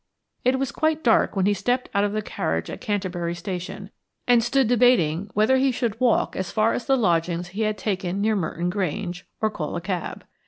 It was quite dark when he stepped out of the carriage at Canterbury Station and stood debating whether he should walk as far as the lodgings he had taken near Merton Grange, or call a cab.